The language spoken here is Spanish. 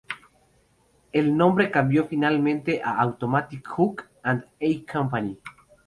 El nombre cambió finalmente a "Automatic Hook and Eye Company".